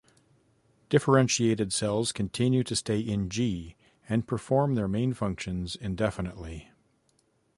Differentiated cells continue to stay in G and perform their main functions indefinitely.